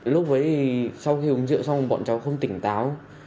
lúc đấy thì sau khi uống rượu xong bọn cháu không tỉnh táo